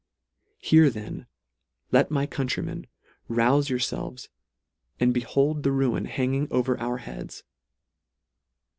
Here then, let my countrymen, rouse yourfelves, and behold the ruin hanging o ver their heads.